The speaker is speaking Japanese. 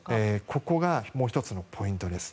ここがもう１つのポイントです。